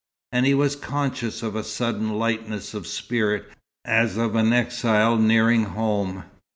And he was conscious of a sudden lightness of spirit, as of an exile nearing home.